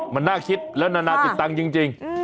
มันน่าคิดแล้วนานาติดตังค์จริง